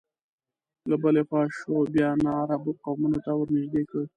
له بلې خوا شعوبیه ناعربو قومونو ته ورنژدې کړ